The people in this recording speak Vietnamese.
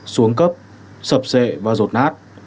xuống cấp sập xệ và rột nát